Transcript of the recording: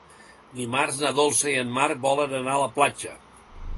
Dimarts na Dolça i en Marc volen anar a la platja.